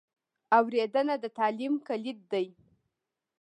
اورېدنه د تعلیم کلید دی.